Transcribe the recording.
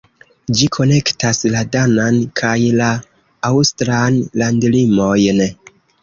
Ĝi konektas la danan kaj la aŭstran landlimojn.